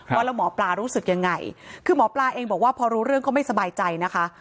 ว่าแล้วหมอปลารู้สึกยังไงคือหมอปลาเองบอกว่าพอรู้เรื่องก็ไม่สบายใจนะคะ